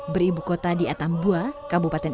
beribu kota di atang bua